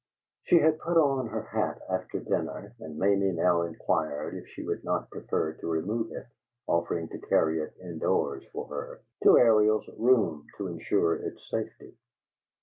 She had put on her hat after dinner, and Mamie now inquired if she would not prefer to remove it, offering to carry it in doors for her, to Ariel's room, to insure its safety.